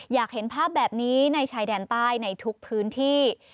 อยากเห็นภาพแบบนี้ในชายแดนใต้ในทุกพื้นที่